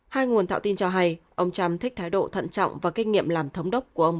hai nguồn thạo tin cho hay ông trump thích thái độ thận trọng và kinh nghiệm làm thống đốc của ông